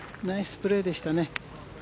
ナイスプレーでしたね。